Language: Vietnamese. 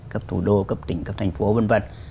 cấp thủ đô cấp tỉnh cấp thành phố vân vân